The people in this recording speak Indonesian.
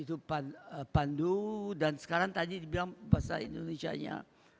itu pandu dan sekarang tadi dibilang bahasa indonesia nya